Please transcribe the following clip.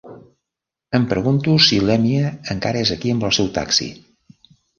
Em pregunto si l'Emie encara és aquí amb el seu taxi